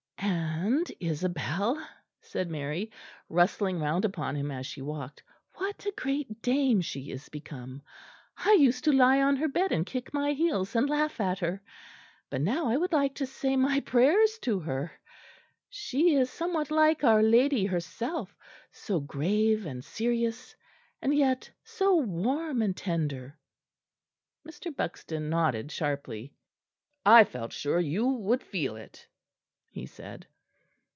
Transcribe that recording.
"And Isabel!" said Mary, rustling round upon him as she walked. "What a great dame she is become! I used to lie on her bed and kick my heels and laugh at her; but now I would like to say my prayers to her. She is somewhat like our Lady herself, so grave and serious, and yet so warm and tender." Mr. Buxton nodded sharply. "I felt sure you would feel it," he said.